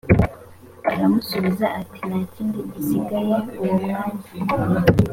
aramusubiza ati nta kindi gisigaye uwo mwanya